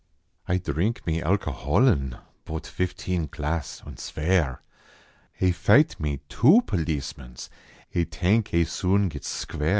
Ay drink mae alcoholen, Bote fifteen glass, en svair ; Ay fight mae two policemans Ay tank Ay soon gets squair.